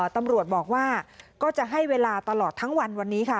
ตำรวจบอกว่าก็จะให้เวลาตลอดทั้งวันวันนี้ค่ะ